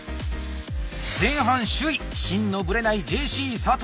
前半首位「芯のぶれないＪＣ」佐藤杏莉。